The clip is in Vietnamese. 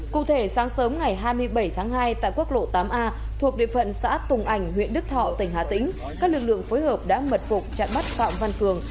cụ thể sáng sớm ngày hai mươi bảy tháng hai tại quốc lộ tám a thuộc địa phận xã tùng ảnh huyện đức thọ tỉnh hà tĩnh các lực lượng phối hợp đã mật phục chặn bắt phạm văn cường